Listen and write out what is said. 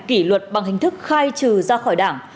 kỷ luật bằng hình thức khai trừ ra khỏi đảng